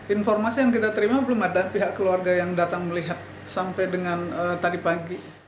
informasi yang kita terima belum ada pihak keluarga yang datang melihat sampai dengan tadi pagi